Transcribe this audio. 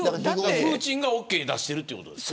プーチンがオーケー出してるということですか。